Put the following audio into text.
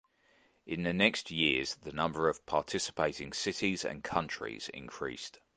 In the next years the number of participating cities and countries increased.